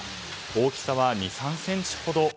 大きさは２３ｃｍほど。